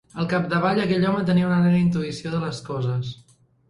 Al capdavall aquell home, tenia una gran intuïció de les coses.